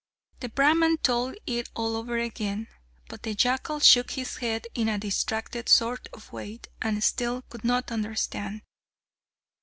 The Brahman told it all over again, but the jackal shook his head in a distracted sort of way, and still could not understand.